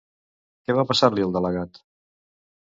Què va passar-li, al delegat?